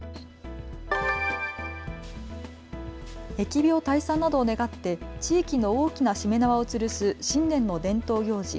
疫病退散などを願って地域の大きなしめ縄をつるす新年の伝統行事